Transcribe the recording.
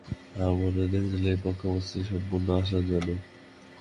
হরিমোহিনী দেখিলেন, এ পক্ষের অবস্থাটি সম্পূর্ণ আশাজনক।